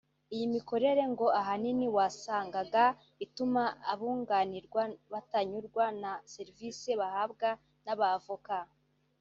Iyi mikorere ngo ahanini wasangaga ituma abunganirwa batanyurwa na serivisi bahabwa n’abavoka